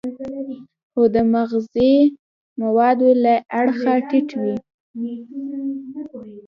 خو د مغذي موادو له اړخه ټیټ وي.